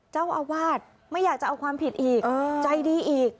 เจ้าอาวาสไม่อยากจะเอาความผิดอีกใจดีอีก